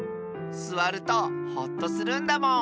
すわるとほっとするんだもん。